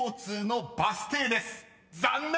［残念！